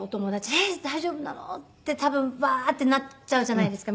「えっ大丈夫なの？」って多分バーッてなっちゃうじゃないですか